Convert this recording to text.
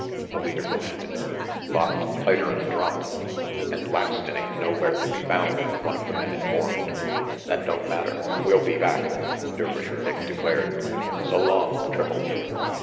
the leader demanded. "Locked tighter'n a drum, and Laxton ain't nowhere to be found," one of the men informed. "That don't matter. We'll be back," Dervisher Dick declared. "So long, Triple Butte."